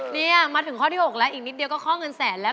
นี่มาถึงข้อที่๖แล้วอีกนิดเดียวก็ข้อเงินแสนแล้ว